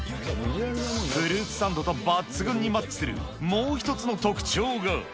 フルーツサンドと抜群にマッチする、もう一つの特徴が。